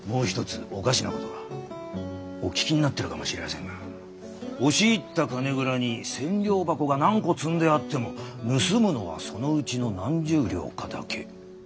お聞きになってるかもしれませんが押し入った金蔵に千両箱が何個積んであっても盗むのはそのうちの何十両かだけ。